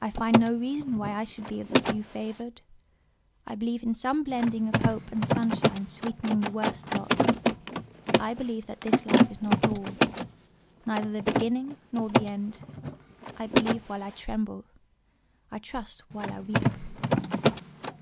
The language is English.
I find no reason why I should be of the few favoured. I believe in some blending of hope and sunshine sweetening the worst lots. I believe that this life is not all; neither the beginning nor the end. I believe while I tremble; I trust while I weep."